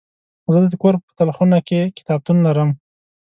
زه د کور په تلخونه کې کتابتون لرم.